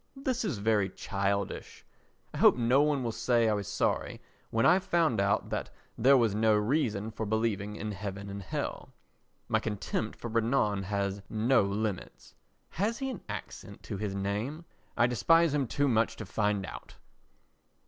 This is very childish. I hope no one will say I was sorry when I found out that there was no reason for believing in heaven and hell. My contempt for Renan has no limits. (Has he an accent to his name? I despise him too much to find out.)